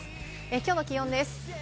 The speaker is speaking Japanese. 今日の気温です。